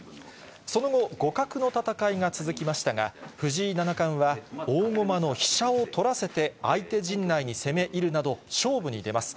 その後、互角の戦いが続きましたが、藤井七冠は、大駒の飛車を取らせて相手陣内に攻め入るなど、勝負に出ます。